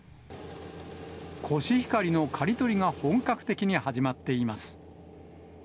コシヒカリの刈り取りが本格的に始まっています。